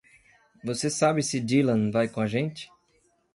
Você sabe se Dylan vai com a gente?